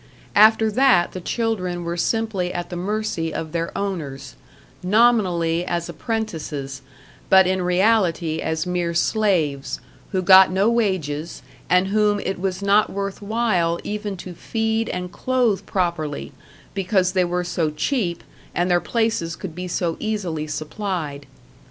After that the children were simply at the mercy of their oweners, nominally as apprentices, but in reality as mere slaves, who got no wages, and whom it was not worth while even to feed and clothe properly, because they were so cheap and their places could be so easily supplied.